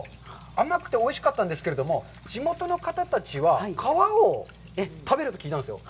甘くておいしかったんですけど、地元の方たちは皮を食べると聞いたんですよ。